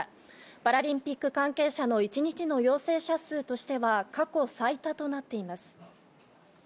パラリンピック関係者の１日の陽性者数としては過去最多となっています。